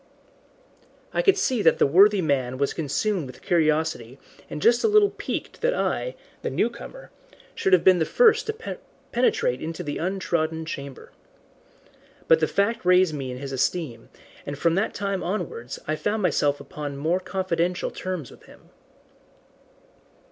I could see that the worthy man was consumed with curiosity and just a little piqued that I, the newcomer, should have been the first to penetrate into the untrodden chamber. But the fact raised me in his esteem, and from that time onwards I found myself upon more confidential terms with him.